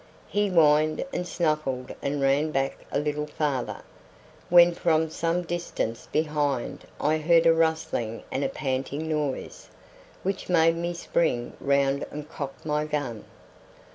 He whined and snuffled and ran back a little farther, when from some distance behind I heard a rustling and a panting noise, which made me spring round and cock my gun.